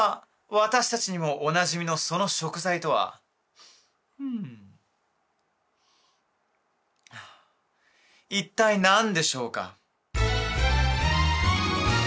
私達にもおなじみのその食材とはうん一体何でしょうか？